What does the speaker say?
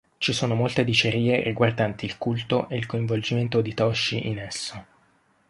Ci sono molte dicerie riguardanti il culto e il coinvolgimento di Toshi in esso.